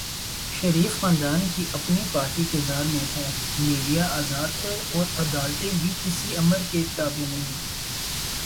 شریف خاندان کی اپنی پارٹی اقتدار میں ہے، میڈیا آزاد ہے اور عدالتیں بھی کسی آمر کے تابع نہیں۔